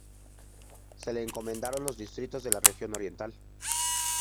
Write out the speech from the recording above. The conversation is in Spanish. Se le encomendaron los distritos de la región oriental.